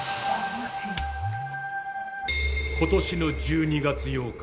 今年の１２月８日。